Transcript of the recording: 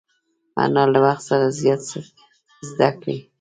انا له وخت سره زیات څه زده کړي